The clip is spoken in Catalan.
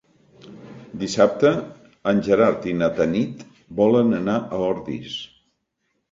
Dissabte en Gerard i na Tanit volen anar a Ordis.